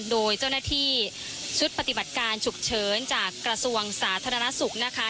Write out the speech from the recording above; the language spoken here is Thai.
โดยเจ้าหน้าที่ชุดปฏิบัติการฉุกเฉินจากกระทรวงสาธารณสุขนะคะ